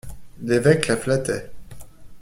L'évêque la flattait.